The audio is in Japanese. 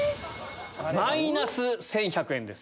マイナス１１００円です。